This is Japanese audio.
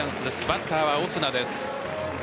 バッターはオスナです。